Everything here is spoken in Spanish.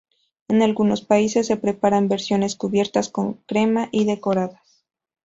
En algunos países se preparan versiones cubiertas con crema y decoradas.